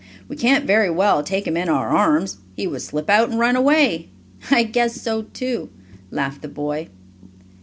"We can't very well take him in our arms; he would slip out and run away." "I guess so, too," laughed the boy.